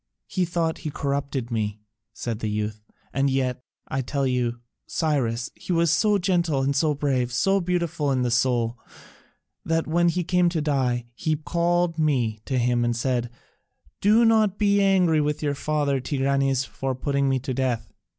"He thought he corrupted me," said the youth; "and yet, I tell you, Cyrus, he was so gentle and so brave, so beautiful in soul, that when he came to die, he called me to him and said, 'Do not be angry with your father, Tigranes, for putting me to death.